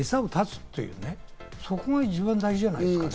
餌を絶つというのが大事じゃないですか？